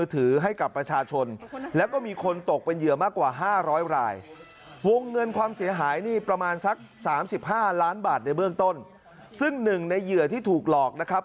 ซึ่งหนึ่งในเหยื่อที่ถูกหลอกนะครับ